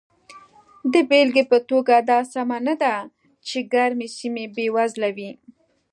د بېلګې په توګه دا سمه نه ده چې ګرمې سیمې بېوزله وي.